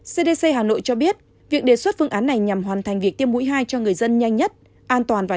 cdc hà nội cho biết việc đề xuất phương án này nhằm hoàn thành việc tiêm mũi hai cho người dân nhanh nhất